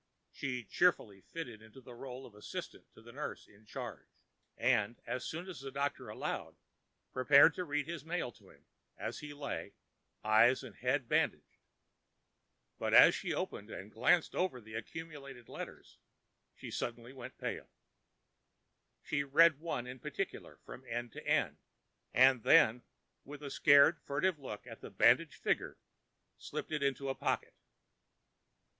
She cheerfully fitted into the rôle of assistant to the nurse in charge, and, as soon as the doctor allowed, prepared to read his mail to him as he lay, eyes and head bandaged. But as she opened and glanced over the accumulated letters, she suddenly went pale. She read one in particular from end to end, and then, with a scared, furtive look at the bandaged figure, slipped it into a pocket.